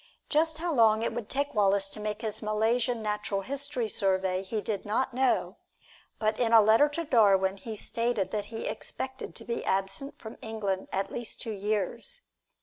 Just how long it would take Wallace to make his Malaysian natural history survey he did not know, but in a letter to Darwin he stated that he expected to be absent from England at least two years.